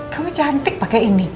kamu cantik pakai ini